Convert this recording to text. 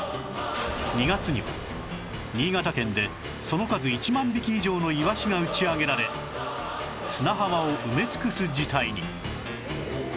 ２月には新潟県でその数１万匹以上のイワシが打ち上げられ砂浜を埋め尽くす事態に